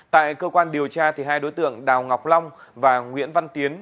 tại cơ quan điều tra hai đối tượng đào ngọc long và nguyễn văn tiến